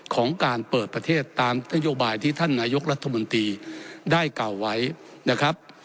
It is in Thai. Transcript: ของการเปิดประเทศตามนโยบายที่ท่านนายกรัฐมนตรีได้กล่าวไว้นะครับ